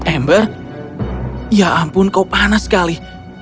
ember ya ampun kau panas sekali